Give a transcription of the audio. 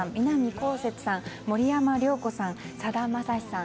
こうせつさん森山良子さん、さだまさしさん